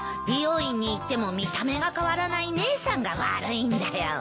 美容院に行っても見た目が変わらない姉さんが悪いんだよ。